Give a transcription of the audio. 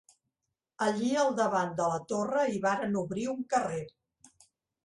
Allí al davant de la torra hi varen obrir un carrer.